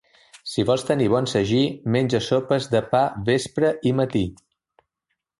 Si vols tenir bon sagí, menja sopes de pa vespre i matí.